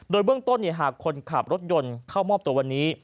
โดยเบื้องต้นหากคนขับรถยนต์เข้ามอบตัววันนี้